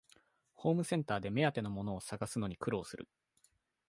ホームセンターで目当てのものを探すのに苦労する